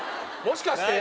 もしかして。